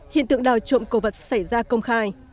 hiện tượng đào trộm cổ vật xảy ra công khai